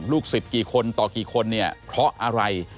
สิทธิ์กี่คนต่อกี่คนเนี่ยเพราะอะไร